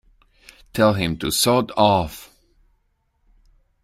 Tell him to Sod Off!